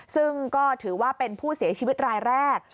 ซึ่งก็ถือว่าเป็นผู้เสียชีวิตรายแรก